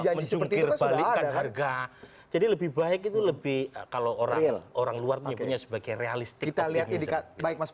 ada mencungkir balikan harga jadi lebih baik itu lebih kalau orang luar punya sebagai realistik